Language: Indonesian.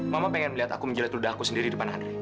mama pengen melihat aku menjelat lidah aku sendiri di depan anda